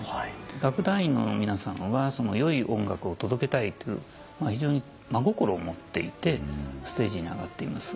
楽団員の皆さんは良い音楽を届けたいという非常に真心を持っていてステージに上がっています。